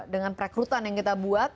dengan perekrutan yang kita buat